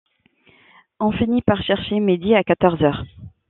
On finit par chercher midi à quatorze heures.